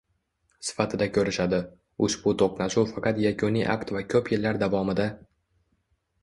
sifatida ko‘rishadi. Ushbu to‘qnashuv faqat yakuniy akt va ko‘p yillar davomida